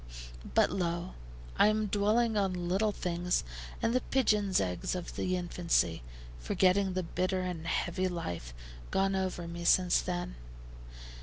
But, lo! I am dwelling on little things and the pigeons' eggs of the infancy, forgetting the bitter and heavy life gone over me since then.